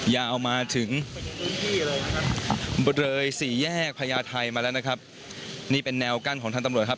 ยาวมาถึงบริเวณสี่แยกพญาไทยมาแล้วนะครับนี่เป็นแนวกั้นของทางตำรวจครับ